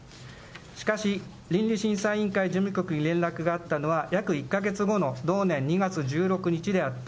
しかし、倫理審査委員会事務局に連絡があったのは、約１か月後の同年２月１６日であった。